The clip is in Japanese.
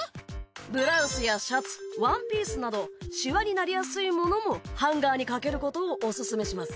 ブラウスやシャツワンピースなどシワになりやすいものもハンガーにかけることをオススメします。